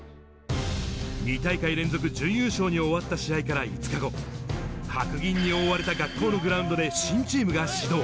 ２大会連続準優勝に終わった試合から５日後、白銀に覆われた学校のグラウンドで、新チームが始動。